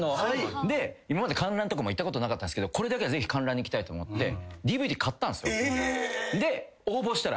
今まで観覧とかも行ったことなかったんすけどこれだけは観覧行きたいと思ってＤＶＤ買ったんすよ。